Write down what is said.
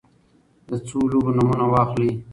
د څو لوبو نومونه واخلی ؟